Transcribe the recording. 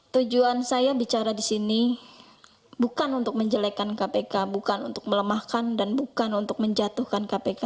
tujuan saya bicara di sini bukan untuk menjelekan kpk bukan untuk melemahkan dan bukan untuk menjatuhkan kpk